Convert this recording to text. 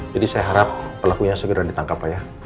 jadi saya harap pelakunya segera ditangkap pak